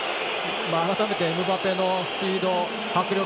改めてエムバペのスピード、迫力。